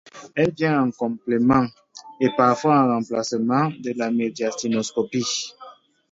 Elle vient en complément, et parfois en remplacement, de la médiastinoscopie.